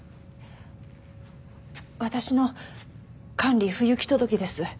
私の管理不行き届きです。